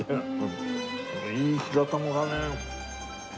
いい白玉だね。